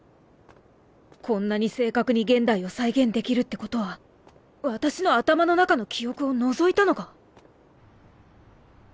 こんなに正確に現代を再現出来るってことは私の頭の中の記憶を覗いたのか！？